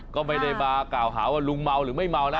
ก็ไม่ได้มากล่าวหาว่าลุงเมาหรือไม่เมานะ